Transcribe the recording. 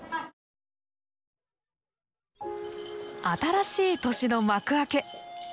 新しい年の幕開け。